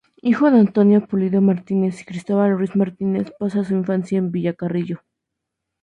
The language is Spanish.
Hijo de Antonia Pulido Martínez y Cristóbal Ruiz Martínez, pasa su infancia en Villacarrillo.